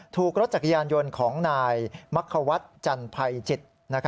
ถูกรถจักรยานยนต์ของนายมักควัฒน์จันภัยจิต